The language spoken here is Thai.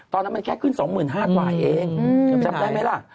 ตอนนั้นมันแค่ขึ้น๒๕๐๐กว่าเองจำได้ไหมล่ะ